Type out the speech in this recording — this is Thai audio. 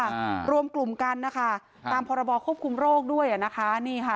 อ่ารวมกลุ่มกันนะคะตามพรบควบคุมโรคด้วยอ่ะนะคะนี่ค่ะ